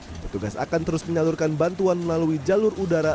petugas akan terus menyalurkan bantuan melalui jalur udara